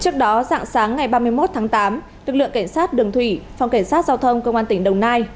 trước đó dạng sáng ngày ba mươi một tháng tám lực lượng cảnh sát đường thủy phòng cảnh sát giao thông công an tỉnh đồng nai